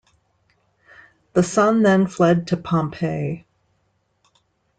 The son then fled to Pompey.